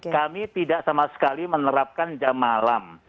kami tidak sama sekali menerapkan jam malam